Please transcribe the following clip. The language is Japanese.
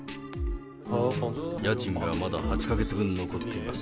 家賃がまだ８か月分残っています。